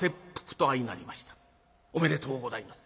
おめでとうございます。